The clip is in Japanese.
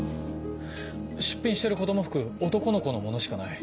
出品してる子供服男の子のものしかない。